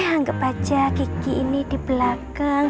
anggap aja gigi ini di belakang